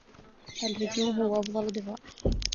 الهجوم هو أفضل دفاع.